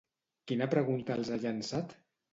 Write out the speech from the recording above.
Quina pregunta els ha llençat?